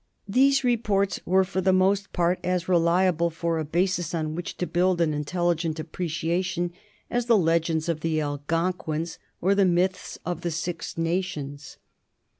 These reports were for the most part as reliable for a basis on which to build an intelligent appreciation as the legends of the Algonquins or the myths of the Six Nations.